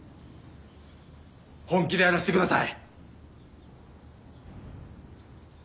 本気でやらしてください。